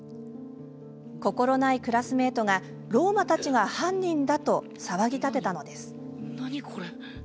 心ないクラスメートがロウマたちが犯人だと騒ぎ立てたのです。